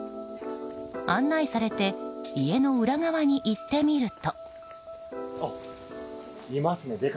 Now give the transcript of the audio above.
案内されて家の裏側に行ってみると。